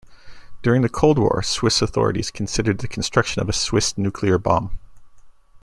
During the Cold War, Swiss authorities considered the construction of a Swiss nuclear bomb.